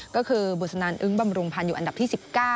ก็คือบุษนันอึ้งบำรุงพันธ์อยู่อันดับที่๑๙